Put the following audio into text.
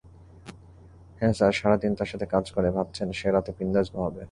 হ্যাঁ স্যার, সারাদিন তার সাথে কাজ করে, ভাবছেন সে রাতে বিন্দাস ঘুমাবে।